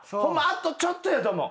あとちょっとやと思う。